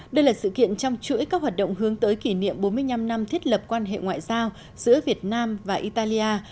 đây là sự kiện trong chuỗi các hoạt động hướng tới kỷ niệm bốn mươi năm năm thiết lập quan hệ ngoại giao giữa việt nam và italia